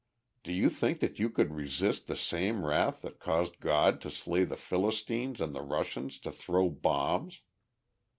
Do you think that you could resist the same wrath that caused God to slay the Philistines and the Russians to throw bombs?